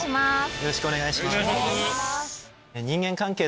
よろしくお願いします。